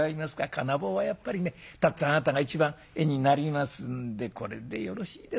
金棒はやっぱりね辰つぁんあなたが一番絵になりますんでこれでよろしいですかい。